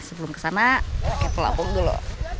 sebelum kesana kita pelabung dulu